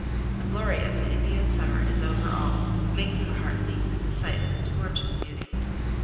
The glory of an Indian summer is over all, making the heart leap at the sight of its gorgeous beauty.